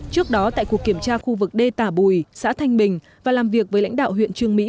trước đó tại cuộc kiểm tra khu vực đê tả bùi xã thanh bình và làm việc với lãnh đạo huyện trương mỹ